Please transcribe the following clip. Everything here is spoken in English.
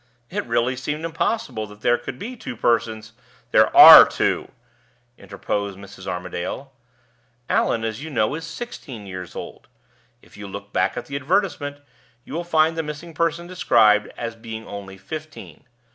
"It really seemed impossible there could be two persons " "There are two," interposed Mrs. Armadale. "Allan, as you know, is sixteen years old. If you look back at the advertisement, you will find the missing person described as being only fifteen.